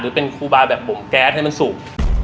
หรือเป็นครูบาแบบบมแก๊สให้มันสุก